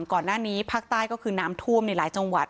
ก่อนหน้านี้ภาคใต้ก็คือน้ำท่วมในหลายจังหวัด